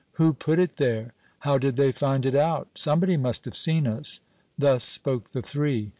"Who put it there?" "How did they find it out?" "Somebody must have seen us!" Thus spoke the three.